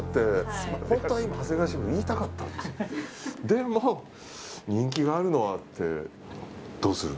でも、人気があるのはってどうする？